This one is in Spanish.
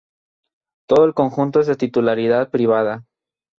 Todo el conjunto es de titularidad privada.